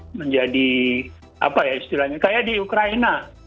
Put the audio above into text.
menjadi apa ya istilahnya kayak di ukraina